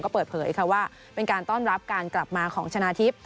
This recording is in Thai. ก็เปิดเผยค่ะว่าเป็นการต้อนรับการกลับมาของชนะทิพย์